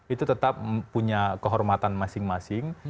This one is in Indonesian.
itu tetap punya kehormatan masing masing